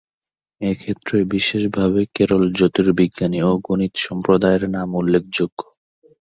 এই ক্ষেত্রে বিশেষভাবে কেরল জ্যোতির্বিজ্ঞান ও গণিত সম্প্রদায়ের নাম উল্লেখযোগ্য।